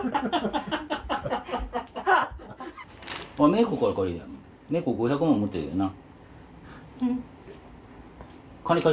芽衣子５００万持ってるよな。